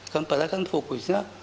kan padahal kan fokusnya